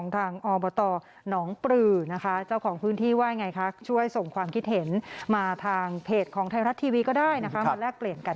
ถ้าเป็นคนอื่นอาจจะไม่เข้าใจในบริบทของพื้นที่ของเรา